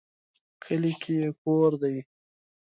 کلي کې یې کور دی